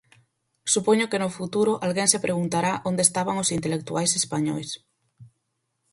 Supoño que no futuro alguén se preguntará onde estaban os intelectuais españois.